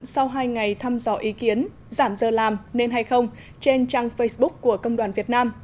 sau hai ngày thăm dò ý kiến giảm giờ làm nên hay không trên trang facebook của công đoàn việt nam